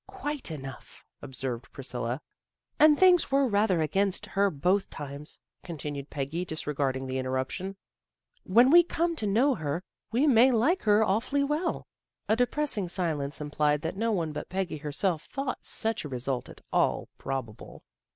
" Quite enough," observed Priscilla. " And things were rather against her both times," continued Peggy, disregarding the in terruption. " When we come to know her we may like her awfully well." THE GIRL NEXT DOOR 31 A depressing silence implied that no one but Peggy herself thought such a result at all probable.